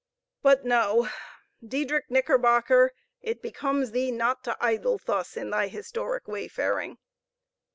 But no! Diedrich Knickerbocker, it becomes thee not to idle thus in thy historic wayfaring.